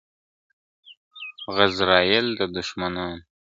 غزرائيل د دښمنانو !.